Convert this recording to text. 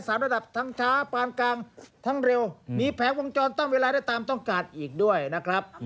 ระดับทั้งช้าปานกลางทั้งเร็วมีแผงวงจรตั้งเวลาได้ตามต้องการอีกด้วยนะครับ